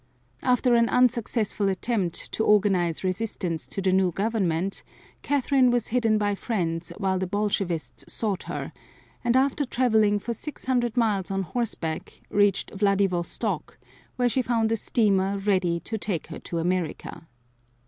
After an unsuccessful attempt to organize resistance to the new government, Catherine was hidden by friends while the Bolshevists sought her, and after traveling for six hundred miles on horseback reached Vladivostok, where she found a steamer ready to take her to America.